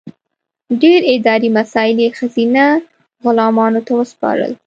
ډېر اداري مسایل یې ښځینه غلامانو ته وسپارل.